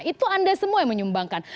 itu anda semua yang menyumbangkan